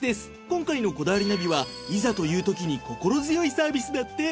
今回の『こだわりナビ』はいざという時に心強いサービスだって！